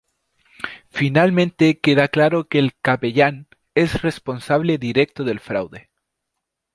Finalmente queda claro que el capellán es responsable directo del fraude.